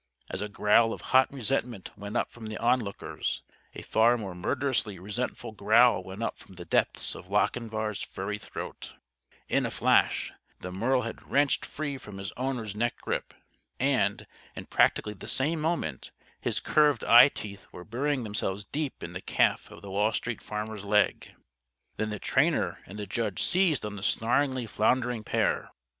As a growl of hot resentment went up from the onlookers, a far more murderously resentful growl went up from the depths of Lochinvar's furry throat. In a flash, the Merle had wrenched free from his owner's neck grip. And, in practically the same moment, his curved eye teeth were burying themselves deep in the calf of the Wall Street Farmer's leg. Then the trainer and the judge seized on the snarlingly floundering pair.